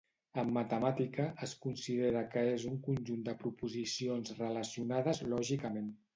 En matemàtica, es considera que és un conjunt de proposicions relacionades lògicament.